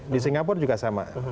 di singapura juga sama